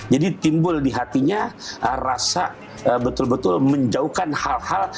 jadi timbul di hatinya rasa betul betul menjauhkan hal hal